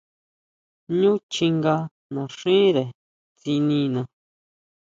Ñú chjinga naxíre tsinina.